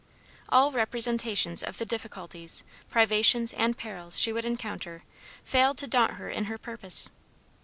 All representations of the difficulties, privations, and perils she would encounter failed to daunt her in her purpose.